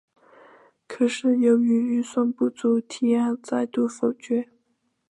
可是由于预算不足提案再度否决。